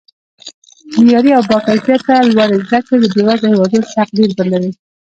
معیاري او با کیفته لوړې زده کړې د بیوزله هیوادونو تقدیر بدلوي